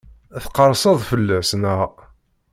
Tqerrseḍ fell-as, naɣ?